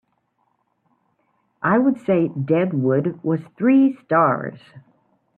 I would say Dead Wood was three stars